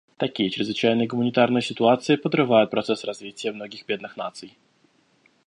Такие чрезвычайные гуманитарные ситуации подрывают процесс развития многих бедных наций.